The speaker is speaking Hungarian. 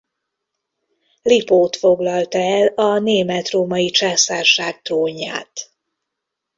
Lipót foglalta el a német-római császárság trónját.